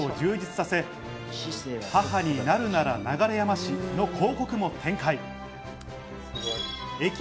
さらに保育サービスを充実させ、「母になるなら、流山市。」の広告も展開。